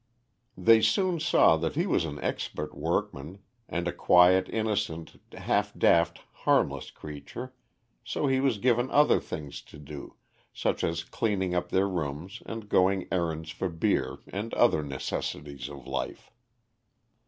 They soon saw that he was an expert workman, and a quiet, innocent, half daft, harmless creature, so he was given other things to do, such as cleaning up their rooms and going errands for beer and other necessities of life.